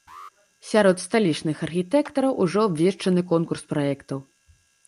Сярод сталічных архітэктараў ужо абвешчаны конкурс праектаў.